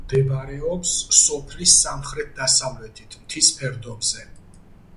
მდებარეობს სოფლის სამხრეთ-დასავლეთით, მთის ფერდობზე.